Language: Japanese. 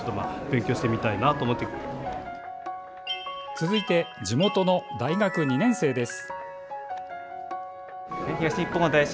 続いて地元の大学２年生です。